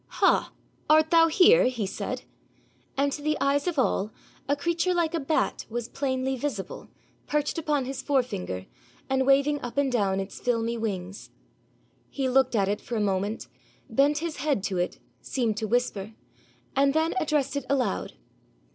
'Ha! art thou here?' he said. And to the eyes of all, a creature like a bat was plainly visible, perched upon his forefinger, and waving up and down its filmy wings. He looked at it for a moment, bent his head to it, seemed to whisper, and then addressed it aloud.